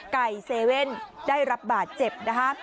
ไก่๗ได้รับบาดเจ็บ